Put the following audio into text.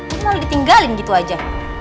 dia malah ditinggalin gitu aja